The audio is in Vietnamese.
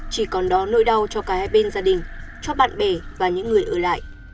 chỉ còn đó nỗi đau cho cả hai bên gia đình cho bạn bè và những người ở lại